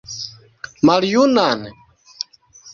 Maljunan?